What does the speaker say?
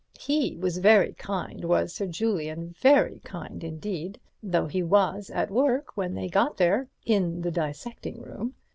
He was very kind, was Sir Julian, very kind indeed, though he was at work when they got there, in the dissecting room.